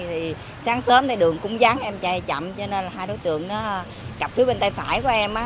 thì sáng sớm đường cũng dắn em chạy chậm cho nên là hai đối tượng cặp phía bên tay phải của em